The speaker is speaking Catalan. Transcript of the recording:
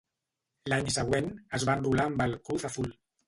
L'any següent, es va enrolar amb el Cruz Azul.